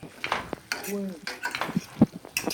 War ccek!